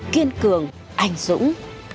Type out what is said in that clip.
kiên cường ảnh dũng